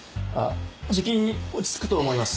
じきに落ち着くと思います。